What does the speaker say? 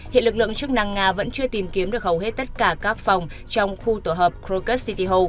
hiện lực lượng chức năng nga vẫn chưa tìm kiếm được hầu hết tất cả các phòng trong khu tổ hợp krokus city hall